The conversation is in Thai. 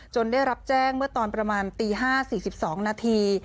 ได้รับแจ้งเมื่อตอนประมาณตี๕๔๒นาที